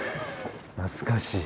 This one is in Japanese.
懐かしい。